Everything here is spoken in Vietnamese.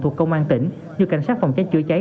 thuộc công an tỉnh như cảnh sát phòng cháy chữa cháy